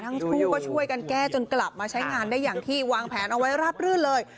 ทั้งคู่ก็ช่วยกันแก้จนกลับมาใช้งานได้อย่างที่วางแผนเอาไว้ราบรื่นเลย